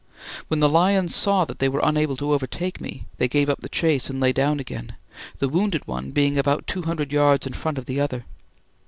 When the lions saw that they were unable to overtake me, they gave up the chase and lay down again, the wounded one being about two hundred yards in front of the other.